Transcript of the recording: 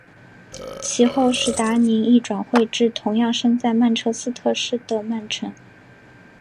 其后史达宁亦转会至同样身在曼彻斯特市的曼城。